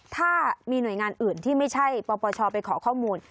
ถ้ามีหน่วยงานอื่นที่ไม่ใช่ปปชไปขอข้อมูล